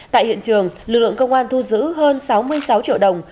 tại hiện trường lực lượng công an thu giữ hơn sáu mươi sáu triệu đồng